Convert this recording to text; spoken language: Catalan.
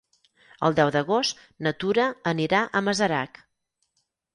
El deu d'agost na Tura anirà a Masarac.